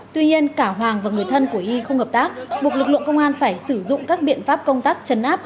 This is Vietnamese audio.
tuy nhiên cả hoàng và người thân của y không hợp tác